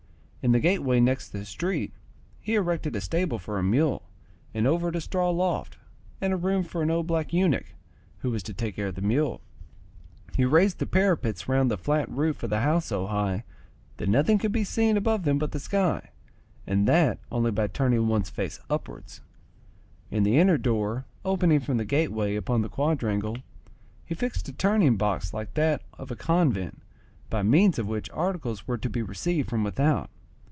In the gateway next the street, he erected a stable for a mule, and over it a straw loft, and a room for an old black eunuch, who was to take care of the mule. He raised the parapets round the flat roof of the house so high, that nothing could be seen above them but the sky, and that only by turning one's face upwards. In the inner door, opening from the gateway upon the quadrangle, he fixed a turning box like that of a convent, by means of which articles were to be received from without.